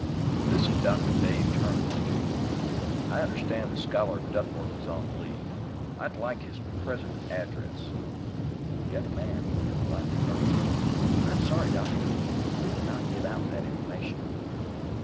"This is Dr. Dave Turnbull, in New York. I understand that Scholar Duckworth is on leave. I'd like his present address." The young man looked politely firm. "I'm sorry, doctor; we can not give out that information."